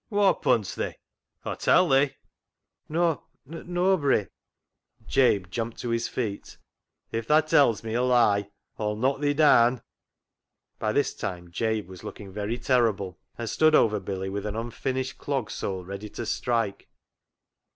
" Whoa punced thi, Aw tell thi ?"" No — noabry " (nobody). Jabe jumped to his feet. " If tha tells me a lie Aw'll knock thi daan." By this time Jabe was looking very terrible, and stood over Billy with an unfinished clog sole ready to strike.